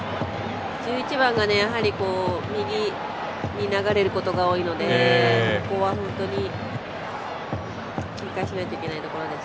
１１番が右に流れることが多いのでここは、本当に切り返さないといけないところです。